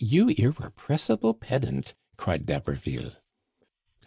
you irrepressible pedant," cried D'Haberville.